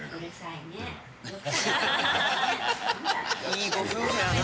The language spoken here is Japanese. いいご夫婦やな。